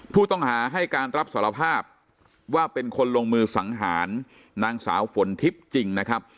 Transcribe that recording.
ผู้ต้องหาให้การรับสารภาพว่าเป็นคนลงมือสังหารนางสาวฝนทิพย์จริงนะครับ